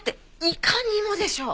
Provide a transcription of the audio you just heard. いかにもでしょ。